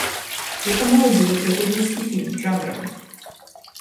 Гэта моладзевы прыгодніцкі фільм, жанравы.